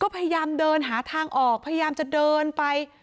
พยายามเดินหาทางออกพยายามจะเดินไป